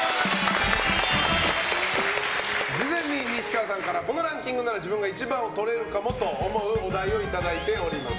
事前に西川さんからこのランキングなら自分が１番をとれるかもと思うお題をいただいております。